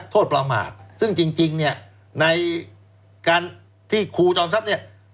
ทศพลมากซึ่งจริงในการที่ครูจอมทรัพย์